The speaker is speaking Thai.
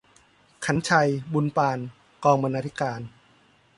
ขรรค์ชัย บุนปาน กองบรรณาธิการ